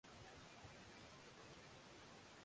ya akiba nyumbani kununulia mbao na vitu vingine kama polishi